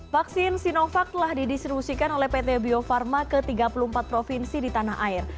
vaksin sinovac telah didistribusikan oleh pt bio farma ke tiga puluh empat provinsi di tanah air